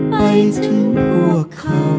ไปถึงพวกเขา